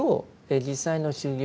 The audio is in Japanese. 実際の修行